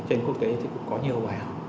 trên quốc tế thì cũng có nhiều bài học